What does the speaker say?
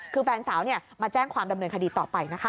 คือแฟนสาวมาแจ้งความดำเนินคดีต่อไปนะคะ